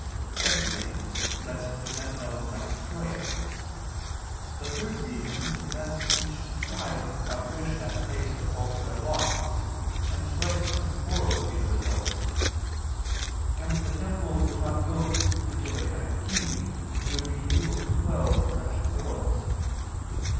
Secondly, lest the Gentiles might destroy it. The third reason is lest each tribe might wish that place to fall to their lot, and strifes and quarrels be the result. Hence the temple was not built until they had a king who would be able to quell such quarrels.